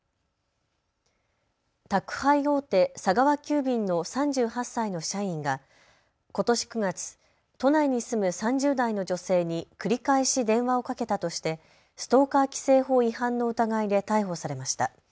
宅配大手、佐川急便の３８歳の社員がことし９月、都内に住む３０代の女性に繰り返し電話をかけたとしてストーカー規制法違反の疑いで逮捕されました。